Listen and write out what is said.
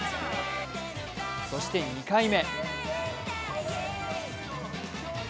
そして２回目。